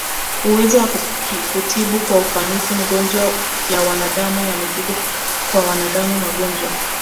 uwezo wa kutibu kwa ufanisi magonjwa ya wanadamu na mifugo Kwa wanadamu magonjwa